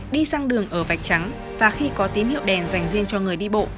đi sang đường ở vạch trắng và khi có tín hiệu đèn dành riêng cho người đi bộ